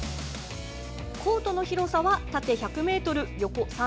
コートの広さは縦１００ｍ、横３７ｍ。